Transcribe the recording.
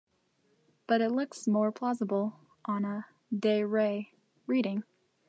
But it looks more plausible on a "de re" reading.